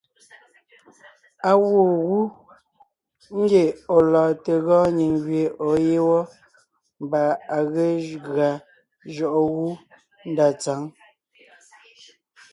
Á gwoon gú ngie ɔ̀ lɔɔn te gɔɔn nyìŋ gẅie ɔ̀ɔ yé wɔ́ mbà à ge gʉa jʉɔʼɔ gú ndá tsǎŋ.